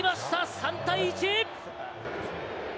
３対１。